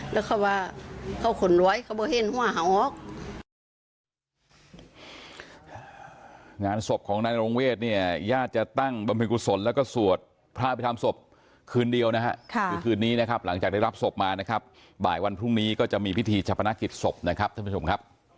แล้วเขาว่าเขาขนไว้เขาไม่เห็นว่าออก